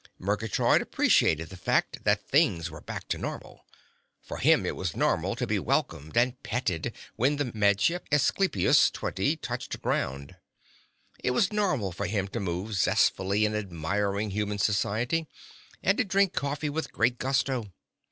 Murgatroyd appreciated the fact that things went back to normal. For him it was normal to be welcomed and petted when the Med Ship Esclipus Twenty touched ground. It was normal for him to move zestfully in admiring human society, and to drink coffee with great gusto.